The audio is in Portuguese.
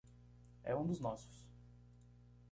É um dos nossos